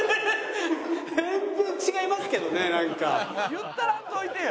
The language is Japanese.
言ったらんといてよ！